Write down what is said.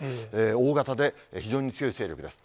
大型で非常に強い勢力です。